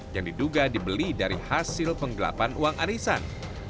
yang diduga dibeli dari hasil penggelapan uang arisan